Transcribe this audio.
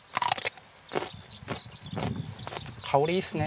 香りいいですね。